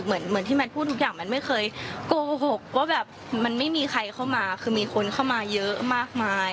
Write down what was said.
เหมือนที่แมทพูดทุกอย่างมันไม่เคยโกหกว่าแบบมันไม่มีใครเข้ามาคือมีคนเข้ามาเยอะมากมาย